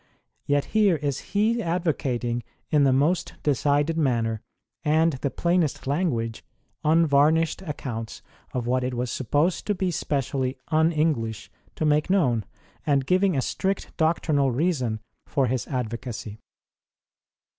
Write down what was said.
Yet here is he advocating, in the most decided manner and the plainest language, unvarnished accounts of what 30 ST. ROSE OF LIMA it was supposed to be specially un English to make known, and giving a strict doctrinal reason for his advocacy.